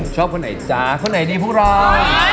คนไหนจ๊ะคนไหนดีพวกเรา